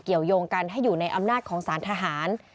เกี่ยวยงกันให้อยู่ในอำนาจของสารทหาร